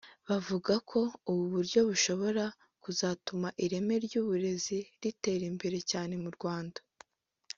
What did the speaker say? bavuga ko ubu buryo bushobora kuzatuma ireme ry’uburezi ritera imbere cyane mu Rwanda